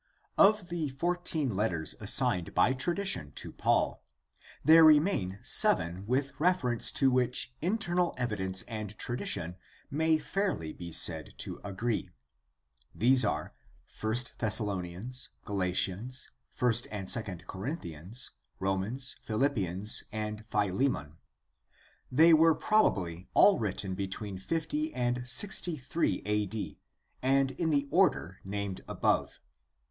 — Of the fourteen letters assigned by tradition to Paul, there remain seven with refer ence to which internal evidence and tradition may fairly be said to agree. These are I Thessalonians, Galatians, I and II Corinthians, Romans, Philippians, and Philemon. They were probably all written between 50 and 63 a.d., and in the order named above.